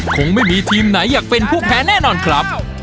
คงไม่มีทีมไหนอยากเป็นผู้แพ้แน่นอนครับ